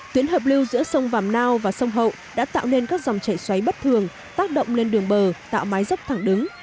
tuyến hợp lưu giữa sông vàm nao và sông hậu đã tạo nên các dòng chảy xoáy bất thường tác động lên đường bờ tạo mái dốc thẳng đứng